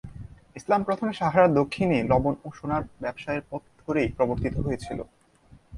ইসলাম প্রথমে সাহারার দক্ষিণে লবণ ও সোনার ব্যবসায়ের পথ ধরেই প্রবর্তিত হয়েছিল।